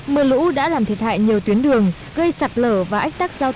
mưa lũ đã làm thiệt hại nhiều tuyến đường gây sạt lở và ách tác giao thương